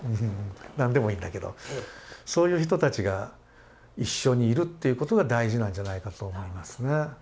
何でもいいんだけどそういう人たちが一緒にいるっていうことが大事なんじゃないかと思いますね。